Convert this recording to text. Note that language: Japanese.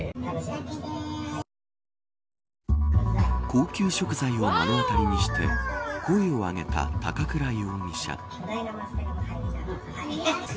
高級食材を目の当たりにして声を上げた高倉容疑者。